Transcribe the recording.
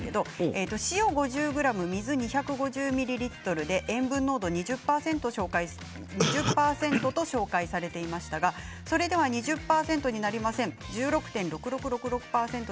塩５０ｇ、水２５０ミリリットルで塩分濃度２０％と紹介されていましたがそれでは２０％になりません１６．６６６％です。